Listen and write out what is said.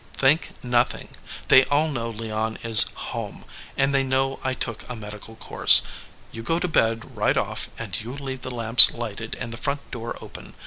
"Think, nothing. They all know Leon is home, and they know I took a medical course. You go to bed right off, and you leave the lamps lighted and the front door open.